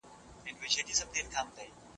ګاو، خوس، وری، خنځیر او هوسۍ غوښه سره ګڼل کېږي.